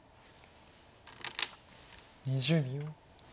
２０秒。